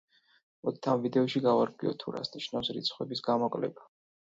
მოდით, ამ ვიდეოში გავარკვიოთ, თუ რას ნიშნავს რიცხვების გამოკლება.